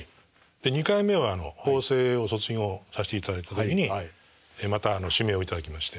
２回目は法政を卒業させていただいた時にまた指名を頂きまして。